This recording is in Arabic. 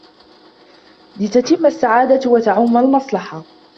لِتَتِمَّ السَّعَادَةُ وَتَعُمَّ الْمَصْلَحَةُ